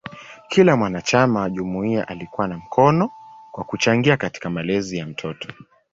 Kila mwanachama wa jumuiya alikuwa na mkono kwa kuchangia katika malezi ya mtoto.